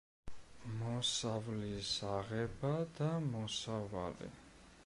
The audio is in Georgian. მოსავლის აღება და მოსავალი.